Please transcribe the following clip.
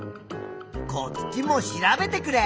こっちも調べてくれ。